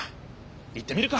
行ってみるか。